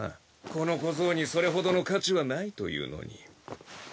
この小僧にそれほどの価値はないというのに。